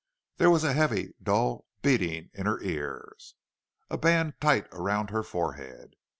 There was a heavy, dull beating in her ears, a band tight round her forehead.